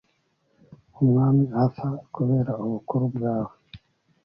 Umwami Arthur kubera ubukuru bwawe